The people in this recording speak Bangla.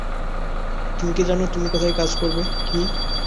তুমি কি জানো তুমি কোথায় কাজ করবে, কি--?